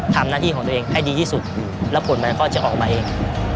ทำหน้าที่ของตัวเองให้ดีที่สุดแล้วผลมันก็จะออกมาเอง